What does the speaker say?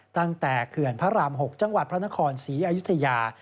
เขื่อนพระราม๖จังหวัดพระนครศรีอยุธยา